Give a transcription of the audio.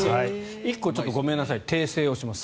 １個ごめんなさい訂正します。